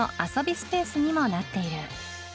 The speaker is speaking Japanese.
スペースにもなっている